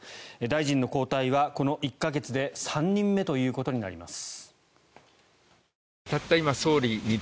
大臣の交代はこの１か月で３人目ということになります。